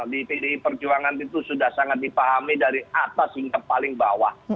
di pdi perjuangan itu sudah sangat dipahami dari atas hingga paling bawah